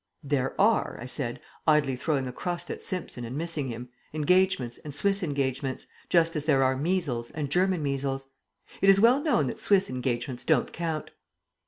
"There are," I said, idly throwing a crust at Simpson and missing him, "engagements and Swiss engagements just as there are measles and German measles. It is well known that Swiss engagements don't count."